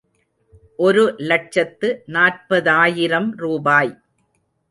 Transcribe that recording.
ஒரு லட்சத்து நாற்பதாயிரம் ரூபாய்!